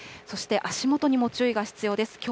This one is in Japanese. そして、足元にも注意が必要です。